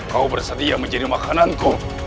kau bersedia menjadi makananku